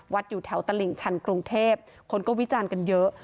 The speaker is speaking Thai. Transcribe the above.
อยู่แถวตลิ่งชันกรุงเทพคนก็วิจารณ์กันเยอะ